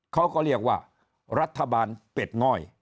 เขาก็เรียกว่ารัฐบาลเป็ดง่อย